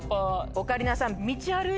オカリナさん。